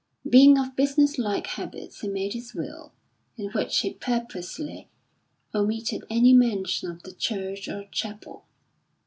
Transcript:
Being of business like habits he made his will, in which he purposely omitted any mention of the "church or chapel."